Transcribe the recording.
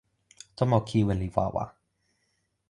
tomo kiwen li wawa.